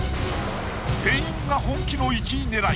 全員が本気の１位狙い。